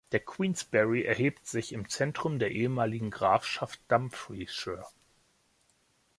Der Queensberry erhebt sich im Zentrum der ehemaligen Grafschaft Dumfriesshire.